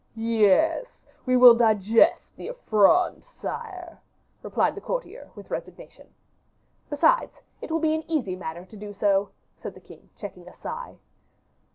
"Yes, we will digest the affront, sire," replied the courtier, with resignation. "Besides, it will be an easy matter to do so," said the king, checking a sigh.